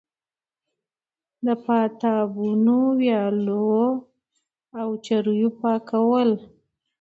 د پاتابونو، ويالو او چريو پاکول